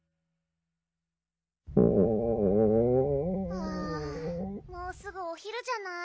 はぁもうすぐおひるじゃない？